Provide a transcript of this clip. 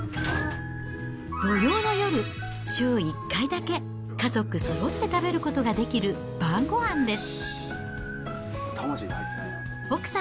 土曜の夜、週１回だけ、家族そろって食べることができる晩ごはんです。